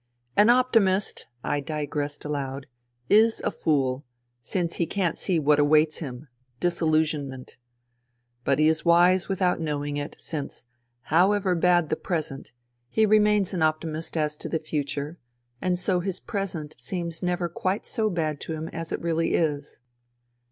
" An optimist, I digressed aloud, "is a fool, since he can't see what awaits him — disillusionment. But he is wise without knowing it, since, however bad the present, he remains an optimist as to the future, and so his present seems never quite so bad to him as it really is.